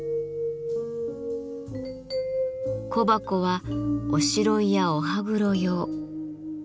小箱はおしろいやお歯黒用。